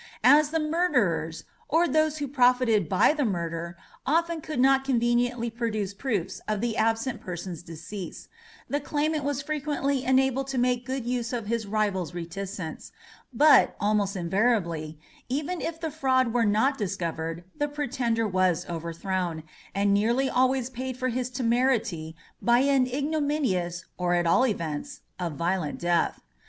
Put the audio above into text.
As the murderers, or those who profited by the murder, often could not conveniently produce proofs of the absent person's decease, the claimant was frequently enabled to make good use of his rival's reticence; but, almost invariably, even if the fraud were not discovered, the pretender was overthrown, and nearly always paid for his temerity by an ignominious or, at all events, a violent death.